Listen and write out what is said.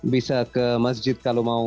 bisa ke masjid kalau mau